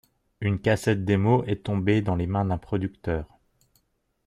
Une cassette démo est tombée dans les mains d'un producteur.